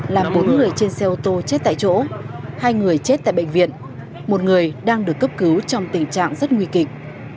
làm bốn người trên xe ô tô chết tại chỗ hai người chết tại bệnh viện một người đang được cấp cứu trong tình trạng rất nguy kịch